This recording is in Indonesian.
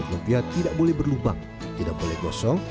lumpia tidak boleh berlubang tidak boleh gosong